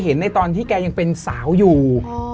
ในตอนที่แกยังเป็นสาวอยู่